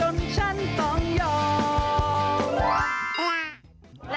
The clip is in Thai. น้ำ